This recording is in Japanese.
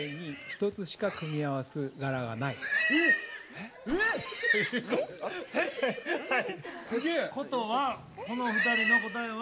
◆ということはこの２人の答えは◆